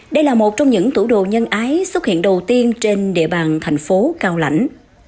đây là một trong những tủ đồ nhân ái xuất hiện đầu tiên trên địa bàn thành phố cao lãnh